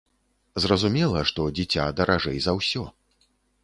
Зразумела, што дзіця даражэй за ўсё.